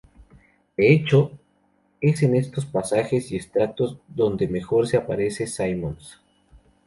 De hecho, es en estos pasajes y extractos donde mejor se aparece Symonds.